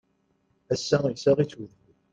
Ass-a, issaɣ-itt udfel.